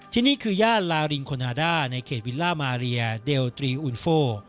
ที่นี่คือย่านลารินโคนาด้าในเขตวิลล่ามาเรียเดลตรีอุนโฟ